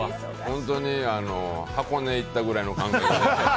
本当に箱根に行ったくらいの感覚。